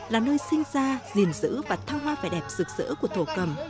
là nơi sinh ra diền dữ và thao hoa vẻ đẹp rực rỡ của thổ cầm